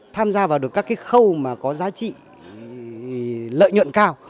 tham gia vào được các cái khâu mà có giá trị lợi nhuận cao